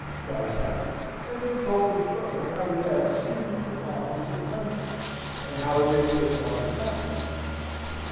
cries Harry, and then told his brother how he had seen the two authors at Tunbridge, and how he had taken off his hat to them.